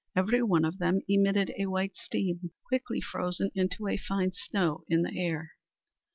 Every one of them emitted a white steam, quickly frozen into a fine snow in the air.